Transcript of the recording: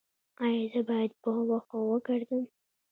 ایا زه باید په وښو وګرځم؟